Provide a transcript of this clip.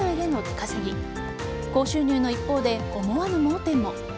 高収入の一方で思わぬ盲点も。